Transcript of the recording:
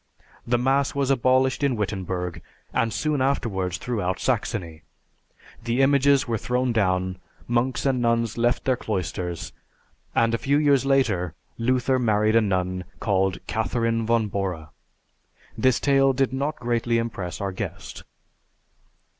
The mass was abolished in Wittenberg, and soon afterwards throughout Saxony; the images were thrown down, monks and nuns left their cloisters, and, a few years later, Luther married a nun called Catharine von Bora. This tale did not greatly impress our guest.